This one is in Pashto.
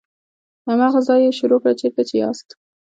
له هماغه ځایه یې شروع کړه چیرته چې یاست.